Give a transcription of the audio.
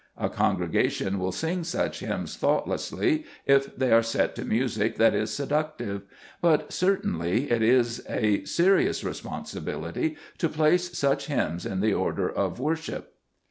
A con gregation will sing such hymns thoughtlessly, if they are set to music that is seductive ; but certainly it is a serious responsibility to place such hymns in the Order of Worship.